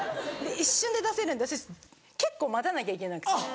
一瞬で出せるんで私結構待たなきゃいけなくて。